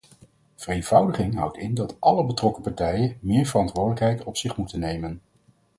Vereenvoudiging houdt in dat alle betrokken partijen meer verantwoordelijkheid op zich moeten nemen.